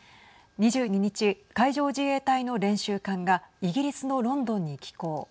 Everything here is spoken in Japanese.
２２日、海上自衛隊の練習艦がイギリスのロンドンに寄港。